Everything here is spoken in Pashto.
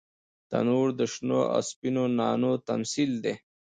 تنور د شنو او سپینو نانو تمثیل دی